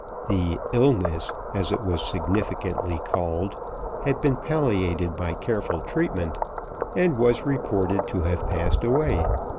The illness, as it was significantly called, had been palliated by careful treatment, and was reported to have passed away.